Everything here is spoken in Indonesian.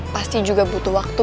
pasti juga butuh waktu